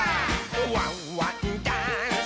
「ワンワンダンス！」